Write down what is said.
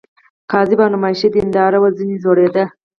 کاذبه او نمایشي دینداري وه ځنې ځورېده.